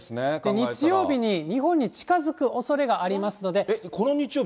日曜日に日本に近づくおそれがありますので。